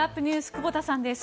久保田さんです。